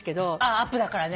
アップだからね。